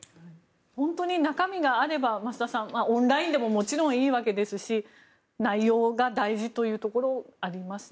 本当に中身があれば増田さん、オンラインでももちろんいいわけですし内容が大事というところがありますね